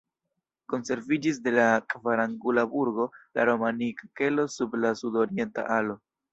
Konserviĝis de la kvarangula burgo la romanika kelo sub la sudorienta alo.